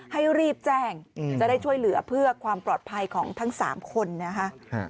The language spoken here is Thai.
ให้รีบแจ้งจะได้ช่วยเหลือเพื่อความปลอดภัยของทั้ง๓คนนะคะ